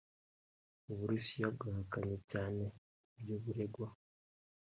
u Burusiya bwahakanye cyane ibyo buregwa